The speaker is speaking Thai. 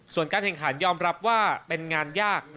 ส่วนการแข่งขันยอมรับว่าเป็นงานยาก